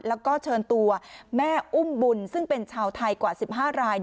แล้วก็เชิญตัวแม่อุ้มบุญซึ่งเป็นชาวไทยกว่า๑๕ราย